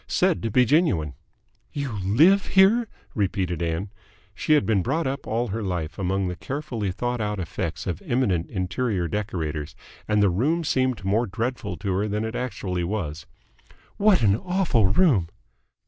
Said to be genuine." "You live here?" repeated Ann. She had been brought up all her life among the carefully thought out effects of eminent interior decorators, and the room seemed more dreadful to her than it actually was. "What an awful room!"